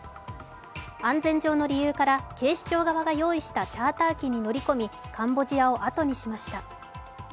安全上の理由から警視庁側が用意したチャーター機に乗り込みカンボジアをあとにしました。